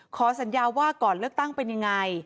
ขอสัญญาว่าก่อนเลือกตั้งเป็นยังไง